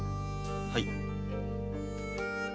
はい。